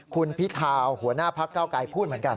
คุณพิธาหัวหน้าพักเก้าไกรพูดเหมือนกัน